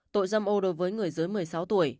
tội dâm ô đối với người dưới một mươi sáu tuổi